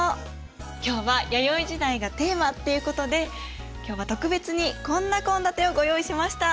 今日は弥生時代がテーマっていうことで今日は特別にこんな献立をご用意しました。